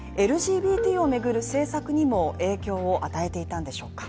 ＬＧＢＴを巡る政策にも影響を与えていたんでしょうか。